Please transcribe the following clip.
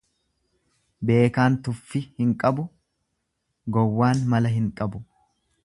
Beekaan tuffi hin qabu, gowwaan mala hin qabu.